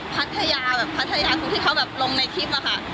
พัทยาทุกที่เขาลงในคลิปค่ะ